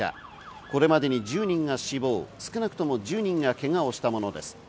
これまでに１０人が死亡、少なくとも１０人がけがをしたものです。